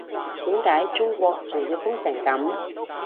點解中國仲要封成噉